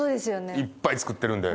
いっぱい作ってるんで。